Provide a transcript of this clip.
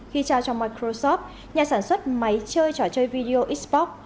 khi trao cho microsoft nhà sản xuất máy chơi trò chơi video xok